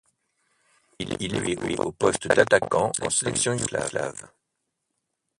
Il évoluait au poste d'attaquant en sélection yougoslave.